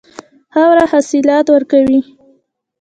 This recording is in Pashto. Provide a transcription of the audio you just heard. خاوره حاصلات ورکوي.